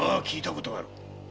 聞いたことがある。